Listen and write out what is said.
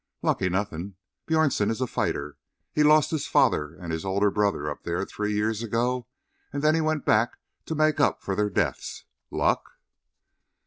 "Lucky, nothing! Bjornsen is a fighter; he lost his father and his older brother up there three years ago and then he went back to make up for their deaths. Luck?"